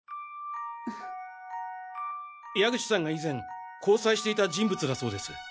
矢口さんが以前交際していた人物だそうです。